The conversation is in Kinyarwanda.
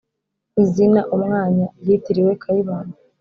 izina "umwanya" ryitiriwe, kayibanda